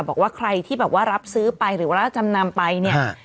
บอกว่าใครที่แบบว่ารับซื้อไปหรือว่ารับจำนำไปเนี่ย